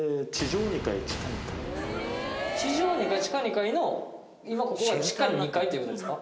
地上２階地下２階の今ここは地下２階っていう事ですか？